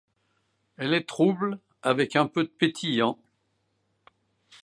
Elle est trouble, avec peu de pétillant.